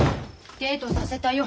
デートさせたよ。